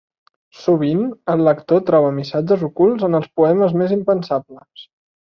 Sovint, el lector troba missatges ocults en els poemes més impensables.